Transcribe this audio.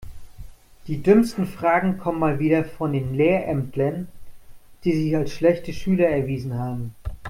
Die dümmsten Fragen kommen mal wieder von den Lehrämtlern, die sich als schlechte Schüler erwiesen haben.